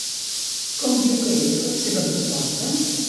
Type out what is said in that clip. Com diu que és la seva proposta?